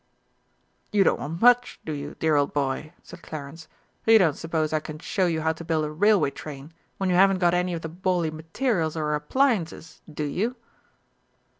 "You don't want much, do you, dear old boy?" said Clarence. "You don't suppose I can show you how to build a railway train when you haven't got any of the bally materials or appliances, do you?"